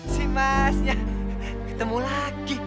si masnya ketemu lagi